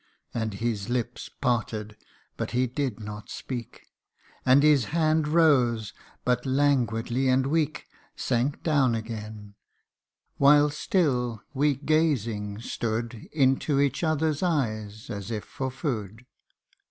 And his lips parted but he did not speak ; And his hand rose, but languidly and weak Sank down again ; while still we gazing stood Into each other's eyes, as if for food.